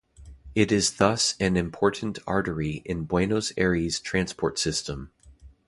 It is thus an important artery in Buenos Aires' transport system.